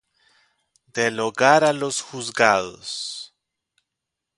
Del Hogar a los Juzgados.